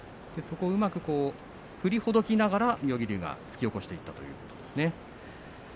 振りほどきながら妙義龍が突き起こしていったということですね。